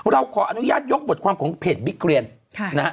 เราขออนุญาตยกบทความของเพจบิ๊กเรียนนะฮะ